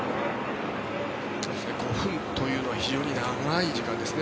５分というのは非常に長い時間ですね。